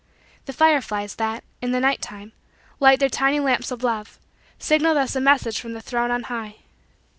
The fireflies, that, in the night time, light their tiny lamps of love, signal thus a message from the throne on high.